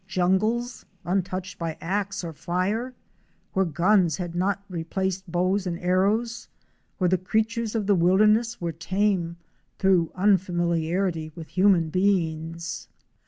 — jungles untouched by axe or fire, where guns had not replaced bows and arrows; where the creatures of the wilderness were tame through unfamiliarity with human beings!